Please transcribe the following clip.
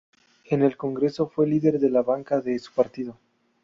En el Congreso, fue líder de la bancada de su partido.